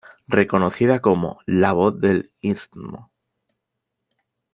Reconocida como "La Voz del Istmo".